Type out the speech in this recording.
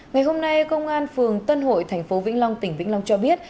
ngày hôm nay công an phường tân hội tp vĩnh long tỉnh vĩnh long cho biết